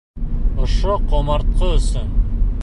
Ошо ҡомартҡы өсөн.